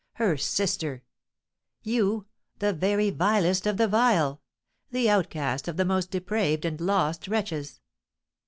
Her sister! You the very vilest of the vile! the outcast of the most depraved and lost wretches!